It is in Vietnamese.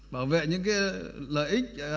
bảo vệ những cái lợi ích